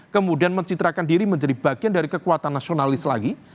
kemudian mencitrakan diri menjadi bagian dari kekuatan nasionalis lagi